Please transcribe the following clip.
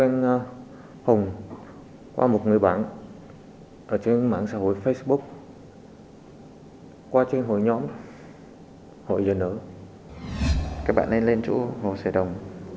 sau một người bạn ở trên mạng xã hội facebook qua trên phòng nhóm hội những người vỡ nợ muốn làm liều các đối tượng lên chỗ hồ sể đồng